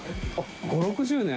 ５０６０年？